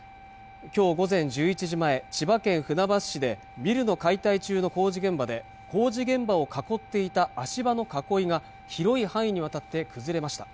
今日午前１１時前千葉県船橋市でビルの解体中の工事現場で工事現場を囲っていた足場の囲いが広い範囲にわたって崩れました